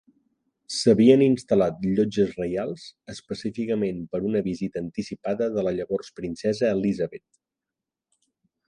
S'havien instal·lat "llotges reials" específicament per una visita anticipada de la llavors princesa Elizabeth.